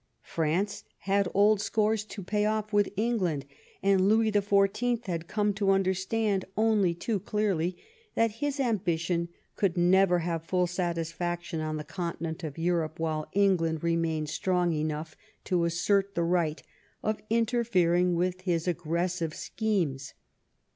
France had old scores to pay off with England, and Louis the Fourteenth had come to understand only too clearly that his ambition could never have full satisfaction on the continent of Europe while England remained strong enough to assert the right of interfering with his ag gressive schemes.